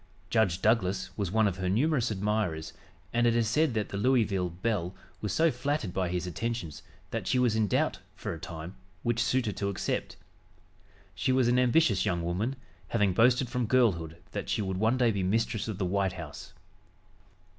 Judge Douglas was one of her numerous admirers, and it is said that the Louisville belle was so flattered by his attentions that she was in doubt, for a time, which suitor to accept. She was an ambitious young woman, having boasted from girlhood that she would one day be mistress of the White House.